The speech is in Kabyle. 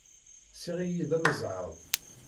Ssiɣ-iyi-d amezɛaḍ.